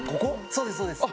そうですそうです。